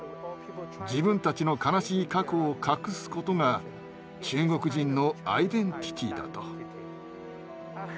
自分たちの悲しい過去を隠すことが中国人のアイデンティティーだと。